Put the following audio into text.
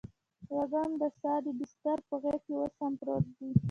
وږم د ساه دی دبسترپه غیږکې اوس هم پروت دي